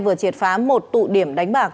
vừa triệt phá một tụ điểm đánh bạc